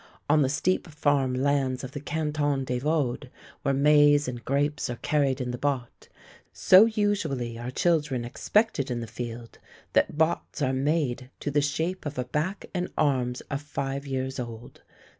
On the steep farm lands of the Canton de Vaud, where maize and grapes are carried in the botte, so usually are children expected in the field that bottes are made to the shape of a back and arms of five years old.